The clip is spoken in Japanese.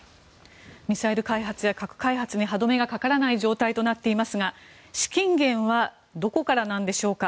ミサイル開発や核開発に歯止めがかからない状況になっていますが資金源はどこからなんでしょうか。